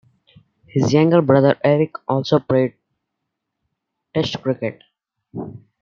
His younger brother Eric also played Test cricket.